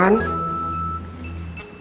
karena sistem pengajaran saya